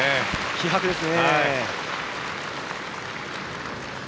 気迫ですね。